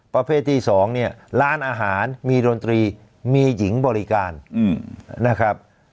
ประเภทที่๒เนี่ยร้านอาหารมีดนตรีมีหญิงบริการนะครับ